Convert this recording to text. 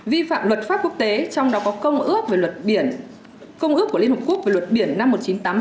vi phạm luật pháp quốc tế trong đó có công ước của liên hợp quốc về luật biển năm một nghìn chín trăm tám mươi hai